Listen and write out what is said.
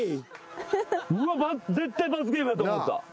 絶対罰ゲームやと思った。